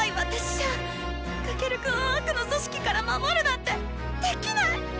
じゃあっ翔くんを悪の組織から守るなんてできないッ！」。